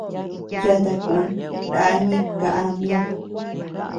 Yata kun ndá ñeʼe káa mi.